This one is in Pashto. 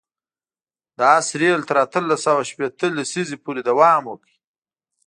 د آس رېل تر اتلس سوه شپېته لسیزې پورې دوام وکړ.